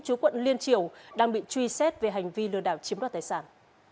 chú quận liên triều đang bị truy xét về hành vi lừa đảo chiếm đoạt tài sản